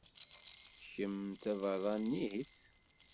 Kemm d tabeṛṛanit?